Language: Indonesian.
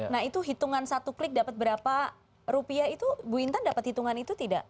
nah itu hitungan satu klik dapat berapa rupiah itu bu intan dapat hitungan itu tidak